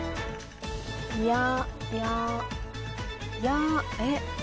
やややえっ？